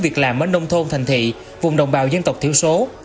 việc làm ở nông thôn thành thị vùng đồng bào dân tộc thiểu số